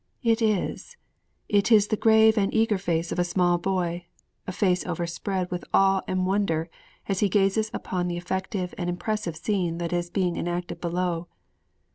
It is! It is the grave and eager face of a small boy; a face overspread with awe and wonder as he gazes upon the affecting and impressive scene that is being enacted below.